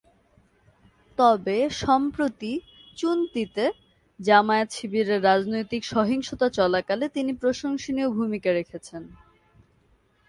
তবে সম্প্রতি চুনতিতে জামায়াত-শিবিরের রাজনৈতিক সহিংসতা চলাকালে তিনি প্রশংসনীয় ভূমিকা রেখেছেন।